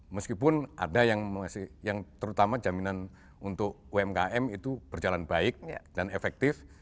meskipun ada yang terutama jaminan untuk umkm itu berjalan baik dan efektif